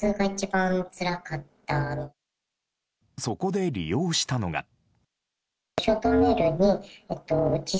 そこで利用したのが。